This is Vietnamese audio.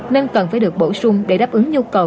nên cần phải được bổ sung để đáp ứng nhu cầu